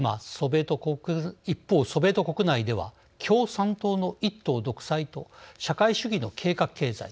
一方、ソビエト国内では共産党の一党独裁と社会主義の計画経済